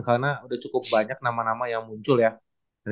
karena udah cukup banyak nama nama yang muncul ya